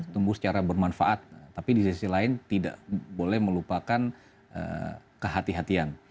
tumbuh secara bermanfaat tapi di sisi lain tidak boleh melupakan kehatian kehatian